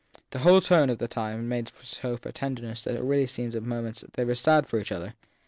The whole tone of the time made so for tenderness that it really seemed as if at moments they were sad for each other.